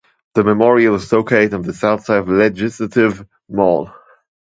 The memorial is located on the south side of Legislative Mall.